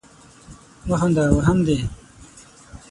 مه خانده ! وهم دي.